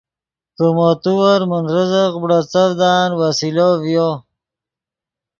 کہ مو تیور من رزق بڑیڅڤدان وسیلو ڤیو